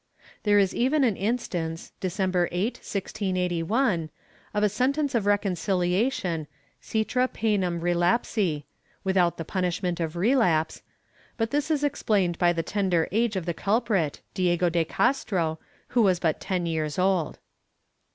There is even an instance, December 8, 1681, of a sentence of reconciliation, extra poenam relapsi — without the punishment of relapse — but this is explained by the tender age of the culprit, Diego de Castro, who was but ten years old.